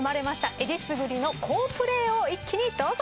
えりすぐりの好プレーを一気にどうぞ。